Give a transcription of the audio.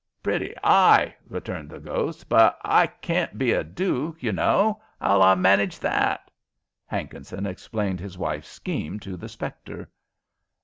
"Pretty 'igh," returned the ghost. "But h'I carn't be a duke, ye know. 'Ow'll I manidge that?" Hankinson explained his wife's scheme to the spectre.